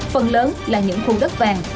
phần lớn là những khu đất vàng